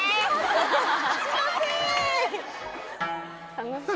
楽しそう。